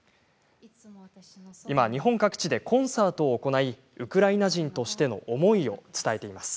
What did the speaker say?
今、日本各地でコンサートを行いウクライナ人としての思いを伝えています。